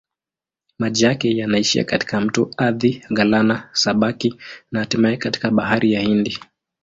Maji yake yanaishia katika mto Athi-Galana-Sabaki na hatimaye katika Bahari ya Hindi.